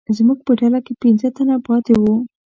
زموږ په ډله کې پنځه تنه پاتې وو.